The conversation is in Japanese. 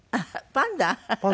パンダ。